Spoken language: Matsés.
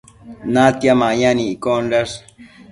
natia mayan iccondash